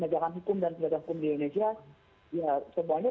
dalam komisi tiga ya semuanya lebih banyak yang terus dibuat hak angket mungkin